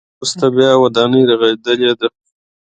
وروسته بیا ودانۍ رغېدلې ده.